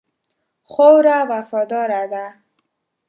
خاوره وفاداره ده.